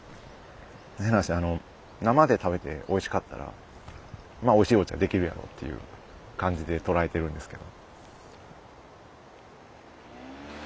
変な話生で食べておいしかったらおいしいお茶出来るやろうっていう感じでとらえてるんですけど。